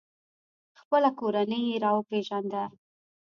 خپله کورنۍ یې را وپیژنده.